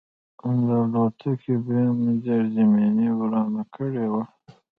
د الوتکې بم زیرزمیني ورانه کړې وه